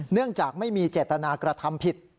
เนื่องจากไม่มีเจตนากระทำผิด